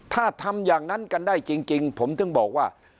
ถ้าทำอย่างนั้นกันได้จริงผมถึงบอกว่า